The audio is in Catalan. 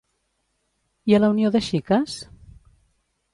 I a la Unió de Xiques?